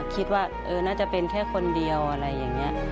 คิดว่าน่าจะเป็นแค่คนเดียวอะไรอย่างนี้